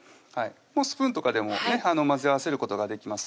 スプーンとかでも混ぜ合わせることができます